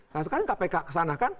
nah sekarang kpk kesana kan